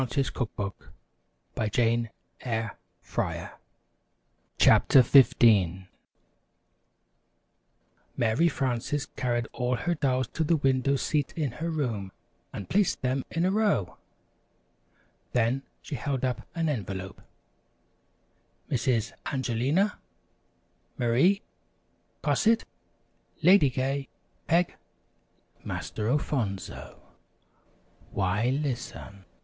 ] CHAPTER XV THIMBLE BISCUITS MARY FRANCES carried all her dolls to the window seat in her room, and placed them in a row. Then she held up an envelope. "Misses Angelina, Marie, Cosette, Lady Gay, Peg, Master Alfonso, why, listen!